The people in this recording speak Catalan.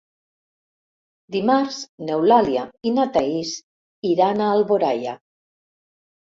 Dimarts n'Eulàlia i na Thaís iran a Alboraia.